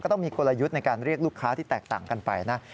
ต้องมีกลยุทธ์ในการเรียกลูกค้าที่แตกต่างกันไปนะ